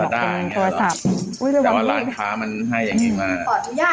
แต่ว่าร้านค้ามันให้อย่างนี้มาก